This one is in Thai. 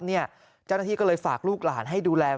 เจ้าหน้าที่ก็เลยฝากลูกหลานให้ดูแล